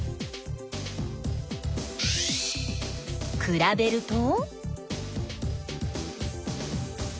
くらべると？